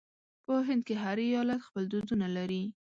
په هند کې هر ایالت خپل دودونه لري.